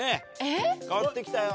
変わってきたよ。